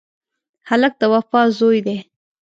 هلک د وفا زوی دی.